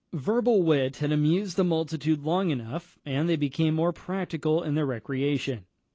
Verbal wit had amused the multitude long enough, and they became more practical in their recreation.